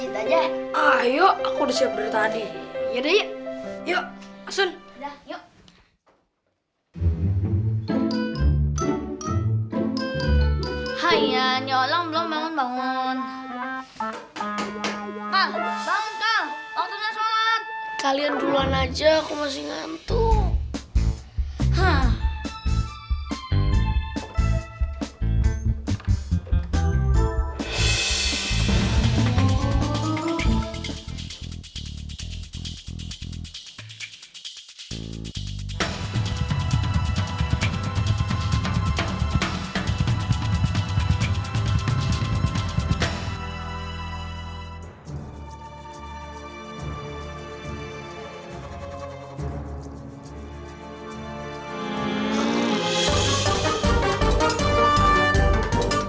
tokfihnya pang g spotlight ya pak